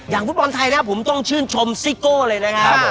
อย่างฟุตบอลไทยเนี่ยผมต้องชื่นชมซิโก้เลยนะฮะ